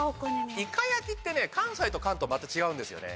イカ焼きってね関西と関東また違うんですよね。